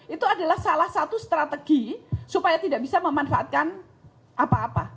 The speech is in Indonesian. itu adalah salah satu strategi supaya tidak bisa memanfaatkan apa apa